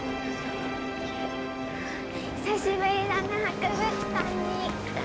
久しぶりだな博物館に行くの。